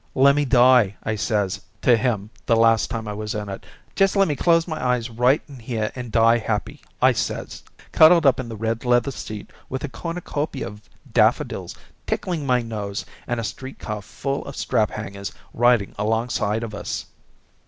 'Lemme die,' I says to him the last time I was in it. 'Just lemme close my eyes right in here and die happy,' I says, cuddled up in the red leather seat with a cornucopia of daffodils tickling my nose and a street car full of strap hangers riding along side of us."